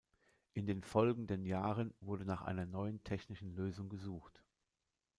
In den folgenden Jahren wurde nach einer neuen technischen Lösung gesucht.